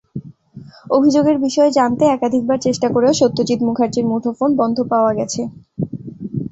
অভিযোগের বিষয়ে জানতে একাধিকবার চেষ্টা করেও সত্যজিৎ মুখার্জির মুঠোফোন বন্ধ পাওয়া গেছে।